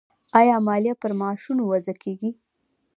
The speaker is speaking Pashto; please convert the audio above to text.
آیا مالیه پر معاشونو وضع کیږي؟